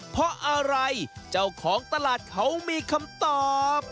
เพราะอะไรเจ้าของตลาดเขามีคำตอบ